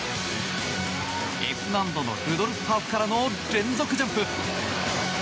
Ｆ難度のルドルフハーフからの連続ジャンプ。